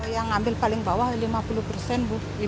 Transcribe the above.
yang ambil paling bawah lima puluh persen bu